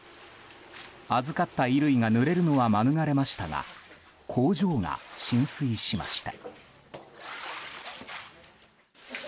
預かった衣類がぬれるのは免れましたが工場が浸水しました。